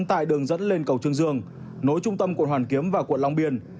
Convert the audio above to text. tại đường dẫn lên cầu trương dương nối trung tâm quận hoàn kiếm và quận long biên